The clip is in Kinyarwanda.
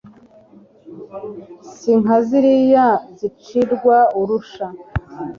si nka ziriya zicirwa arusha